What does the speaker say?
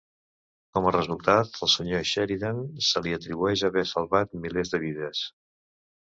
Com a resultat, al senyor Sheridan se li atribueix haver salvat milers de vides.